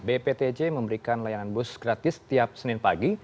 bptj memberikan layanan bus gratis setiap senin pagi